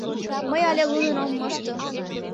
Мый але лудын ом мошто.